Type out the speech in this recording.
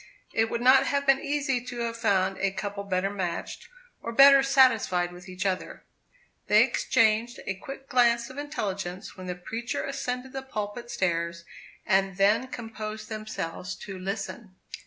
It would not have been easy to have found a couple better matched, or better satisfied with each other. They exchanged a quick glance of intelligence when the preacher ascended the pulpit stairs, and then composed themselves to listen.